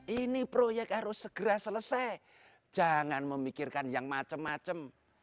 ini proyek harus segera selesai jangan memikirkan yang macam macam